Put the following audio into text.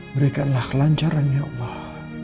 berikanlah kelancaran ya allah